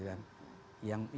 yang artinya bercanda